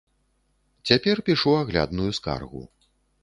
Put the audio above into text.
Цяпер пішу аглядную скаргу.